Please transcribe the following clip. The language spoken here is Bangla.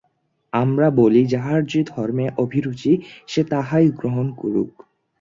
আমরা বলি, যাহার যে-ধর্মে অভিরুচি, সে তাহাই গ্রহণ করুক।